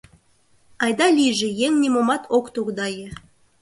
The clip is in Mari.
айда-лийже еҥ нимомат ок тогдае